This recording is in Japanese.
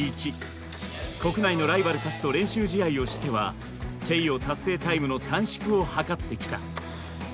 国内のライバルたちと練習試合をしてはチェイヨー達成タイムの短縮を図ってきた。